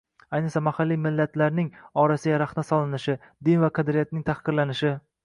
Ayniqsa, mahalliy millatlarning orasiga rahna solinishi, din va qadriyatlarning tahqirlanishi